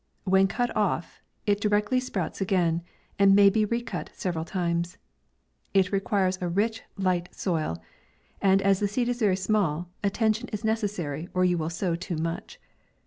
When cut off. it directly sprouts a gain, and may be recut several times. It requires a rich and light soil, and as the seed is very small, attention is necessary, or you will sow too much.